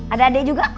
ada adik juga